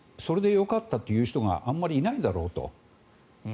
それでよかったという人があまりいないだろうと。